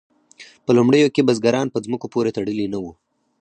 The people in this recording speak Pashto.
په لومړیو کې بزګران په ځمکو پورې تړلي نه وو.